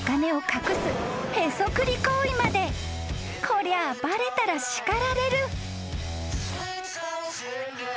［こりゃバレたら叱られる］